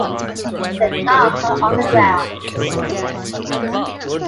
The docks are underground.